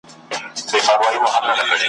تېر به د ځوانۍ له پسرلیو لکه باد سمه ,